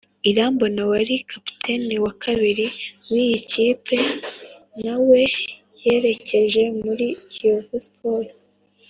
irambona wari kapiteni wa kabiri w’iyi kipe, na we yerekeje muri kiyovu sport